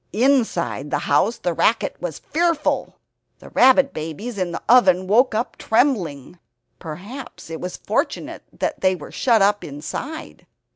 Inside the house the racket was fearful. The rabbit babies in the oven woke up trembling; perhaps it was fortunate they were shut up inside.